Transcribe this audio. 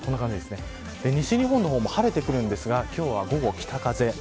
西日本の方も晴れてくるんですが今日は午後北風。